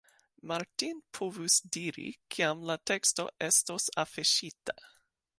Martin povus diri, kiam la teksto estos afiŝita.